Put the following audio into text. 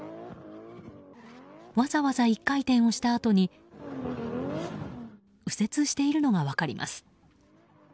わざわざ１回転をしたあとに右折しているのが分かります。